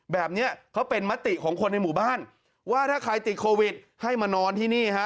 แบบนี้เขาเป็นมติของคนในหมู่บ้านว่าถ้าใครติดโควิดให้มานอนที่นี่ฮะ